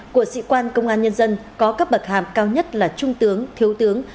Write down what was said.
của sĩ quan công an nhân dân có cấp bậc hàm cao nhất là trung tướng thiếu tướng